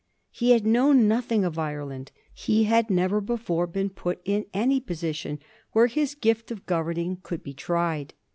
He had known nothing of Ireland ; he had never before been put in any position where his gift of governing could be tried.